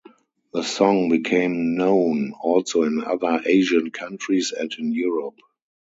The song became known also in other Asian countries and in Europe.